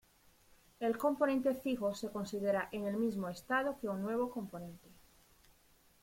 El componente fijo se considera en el mismo estado que un nuevo componente.